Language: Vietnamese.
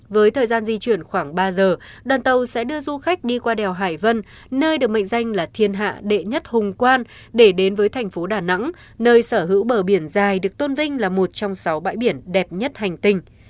với thời gian di chuyển khoảng ba giờ đoàn tàu sẽ đưa du khách đi qua đèo hải vân nơi được mệnh danh là thiên hạ đệ nhất hùng quan để đến với thành phố đà nẵng nơi sở hữu bờ biển dài được tôn vinh là một trong sáu bãi biển đẹp nhất hành tinh